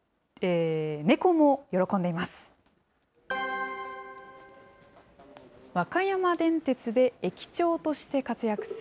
猫も喜んでいます。